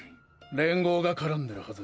連合が絡んでるはず。